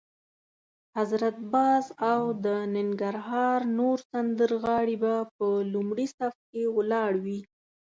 حضرت باز او د ننګرهار نور سندرغاړي به په لومړي صف کې ولاړ وي.